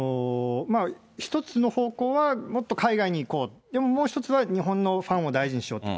一つの方向は、もっと海外に行こう、でも、もう一つは日本のファンを大事にしようと。